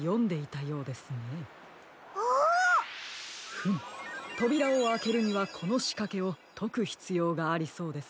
フムとびらをあけるにはこのしかけをとくひつようがありそうです。